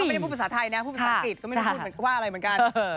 ไม่ได้พูดภาษาไทยนะพูดภาษาอังกฤษก็ไม่ได้พูดเหมือนว่าอะไรเหมือนกัน